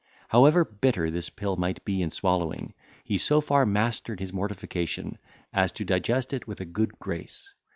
However bitter this pill might be in swallowing, he so far mastered his mortification, as to digest it with a good grace.